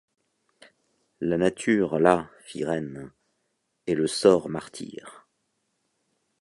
La nature là fit reine ; et le sort martyre.